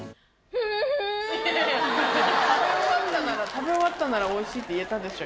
食べ終わったなら「おいしい」って言えたでしょ